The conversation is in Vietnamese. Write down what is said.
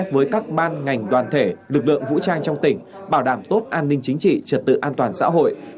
với các ban ngành đoàn thể lực lượng vũ trang trong tỉnh bảo đảm tốt an ninh chính trị trật tự an toàn xã hội